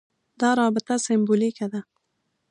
دا رابطه سېمبولیکه ده.